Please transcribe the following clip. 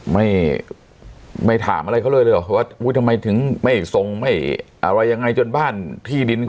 ไม่ไม่ถามอะไรเขาเลยเลยเหรอว่าอุ้ยทำไมถึงไม่ส่งไม่อะไรยังไงจนบ้านที่ดิน